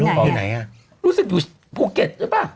อ่าลูกไปอยู่ไหนอ่ะรู้สึกอยู่ภูเก็ตใช่ป่ะเหมือนประมาณว่า